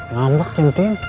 ngambak tin tin